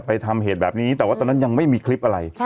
ทำเหตุแบบนี้แต่ว่าตอนนั้นยังไม่มีคลิปอะไร